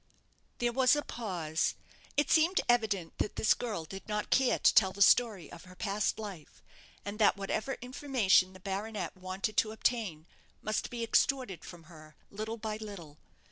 There was a pause. It seemed evident that this girl did not care to tell the story of her past life, and that whatever information the baronet wanted to obtain, must be extorted from her little by little.